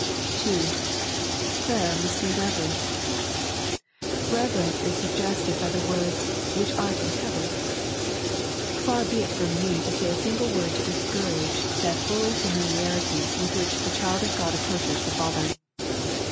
(2) Prayer must be reverent. Beverence is suggested by the words, " which art in heaven." Far be it from me to say a single word to discourage that holy familiarity with which the child of God approaches the Father.